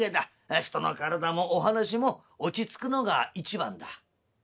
人の体もお噺もおちつくのが一番だ」。